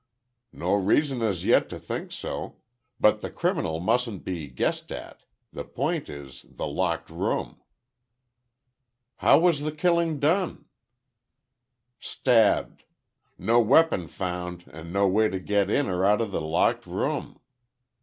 "No reason as yet to think so. But the criminal mustn't be guessed at. The point is, the locked room." "How was the killing done?" "Stabbed. No weapon found and no way to get in or out of the locked room.